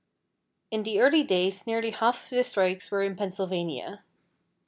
In the early days nearly half of the strikes were in Pennsylvania.